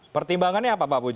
pertimbangannya apa pak puji